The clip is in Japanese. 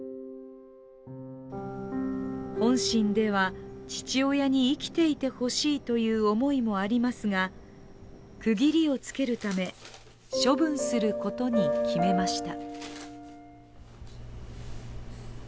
本心では父親に生きていてほしいという思いもありますが区切りをつけるため処分することに決めました。